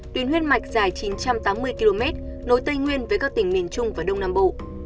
tuyến huyết mạch dài chín trăm tám mươi km nối tây nguyên với các tỉnh miền trung và đông nam bộ